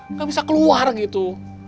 enggak bisa keluar gitu